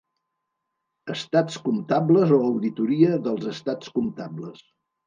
Estats comptables o auditoria dels estats comptables.